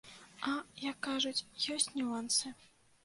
А, як кажуць, ёсць нюансы.